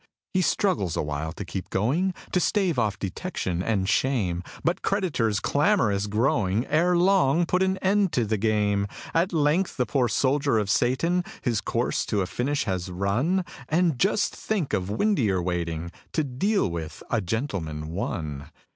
He struggles awhile to keep going, To stave off detection and shame; But creditors, clamorous growing, Ere long put an end to the game. At length the poor soldier of Satan His course to a finish has run And just think of Windeyer waiting To deal with "A Gentleman, One"!